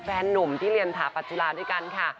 หนุ่มที่เรียนถาปัจจุฬาด้วยกันค่ะ